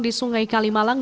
di sungai kalimalang